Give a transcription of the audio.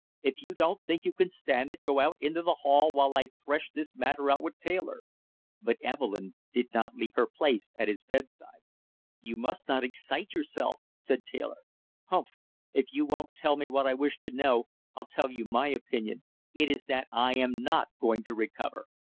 If you don't think you can stand it, go out into the hail while I thresh this matter out with Taylor!" But Evelyn did not leave her place at his bedside. "You must not excite yourself!" said Taylor. "Humph if you won't tell me what I wish to know, I'll tell you my opinion; it is that I am not going to recover.